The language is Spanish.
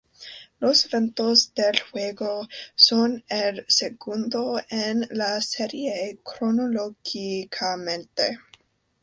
Los eventos del juego son el Segundo en la serie, cronológicamente.